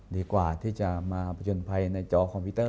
ดีกว่าที่จะมาผจญภัยในจอคอมพิวเตอร์